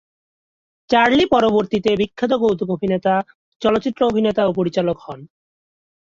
Charlie পরবর্তীতে বিখ্যাত কৌতুকাভিনেতা, চলচ্চিত্র অভিনেতা ও পরিচালক হন।